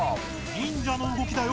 忍者の動きだよ！